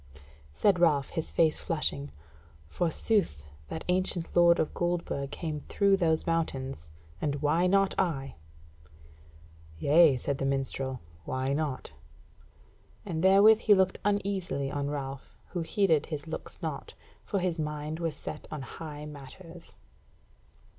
Said Ralph, his face flushing: "Forsooth, that ancient lord of Goldburg came through those mountains, and why not I?" "Yea," said the minstrel, "why not?" And therewith he looked uneasily on Ralph, who heeded his looks naught, for his mind was set on high matters.